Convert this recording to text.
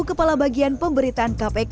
kepala bagian pemberitaan kpk